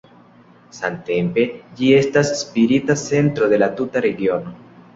Samtempe ĝi estas spirita centro de la tuta regiono.